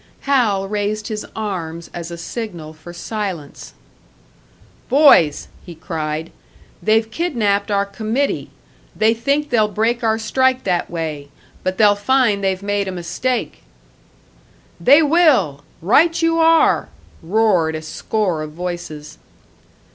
Hal raised his arms as a signal for silence. "Boys," he cried, "they've kidnapped our committee. They think they'll break our strike that way but they'll find they've made a mistake!" "They will! Right you are!" roared a score of voices.